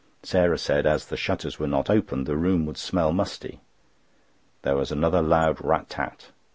Sarah said, as the shutters were not opened, the room would smell musty. There was another loud rat tat.